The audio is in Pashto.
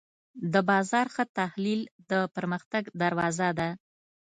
د بازار ښه تحلیل د پرمختګ دروازه ده.